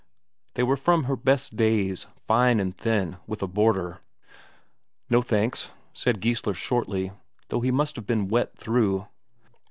They were from her best days; fine and thin, with a border. "No, thanks," said Geissler shortly, though he must have been wet through.